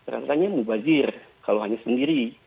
rasanya mubazir kalau hanya sendiri